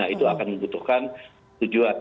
itu akan membutuhkan tujuan